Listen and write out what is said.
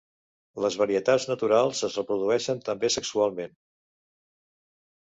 Les varietats naturals es reprodueixen també sexualment.